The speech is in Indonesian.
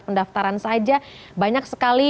pendaftaran saja banyak sekali